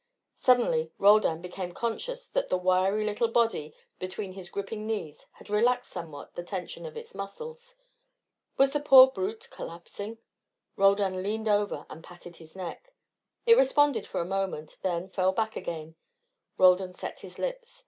Suddenly Roldan became conscious that the wiry little body between his gripping knees had relaxed somewhat the tension of its muscles. Was the poor brute collapsing? Roldan leaned over and patted his neck. It responded for a moment, then fell back again. Roldan set his lips.